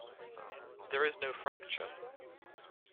There is no fracture.